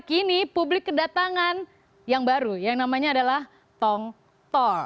kini publik kedatangan yang baru yang namanya adalah tongtol